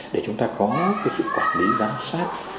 để chúng ta có sự quản lý giám sát